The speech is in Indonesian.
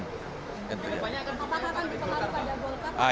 apakah akan ditemukan oleh golkar